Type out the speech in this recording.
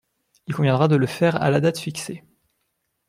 Il conviendra de le faire à la date fixée.